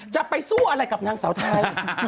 จะไปสู้อะไรกับนางสาวไทย